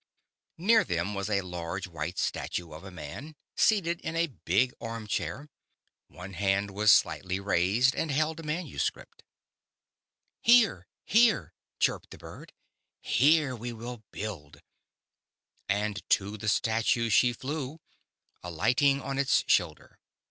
Near them was a laree white Statue of a man. 176 The Statue and the Birds. seated in a big arm chair. One hand was slightly raised and held a manuscript. " Here, here," chirped the Bird, "here we will build," and to the Statue she flew, alighting on its shoulder.